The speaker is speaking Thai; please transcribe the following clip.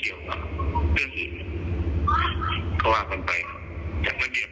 ครับคงไม่เกี่ยวกับเรื่องอื่น